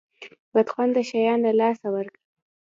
بد خونده شیان له لاسه ورکه.